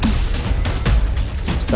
ya ampun dewa